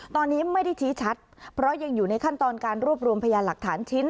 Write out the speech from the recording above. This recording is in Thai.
ตอนนี้ไม่ได้ชี้ชัดเพราะยังอยู่ในขั้นตอนการรวบรวมพยานหลักฐานชิ้น